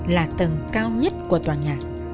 là tầng cao nhất của tòa nhà